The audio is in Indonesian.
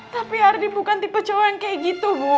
tapi ardi bukan tipe cowok yang kayak gitu bu